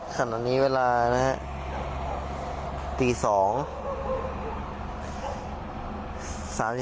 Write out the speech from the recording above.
ขณะนี้เวลานะครับ